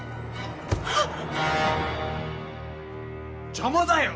邪魔だよ！